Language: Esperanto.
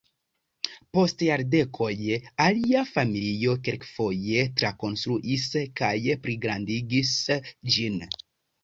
Post jardekoj alia familio kelkfoje trakonstruis kaj pligrandigis ĝin.